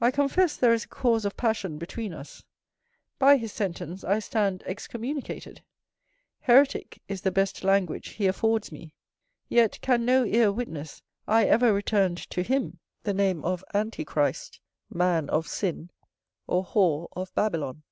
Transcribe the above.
I confess there is a cause of passion between us: by his sentence I stand excommunicated; heretic is the best language he affords me: yet can no ear witness I ever returned to him the name of antichrist, man of sin, or whore of Babylon.